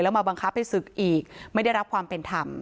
มาบังคับให้ศึกอีกไม่ได้รับความเป็นธรรม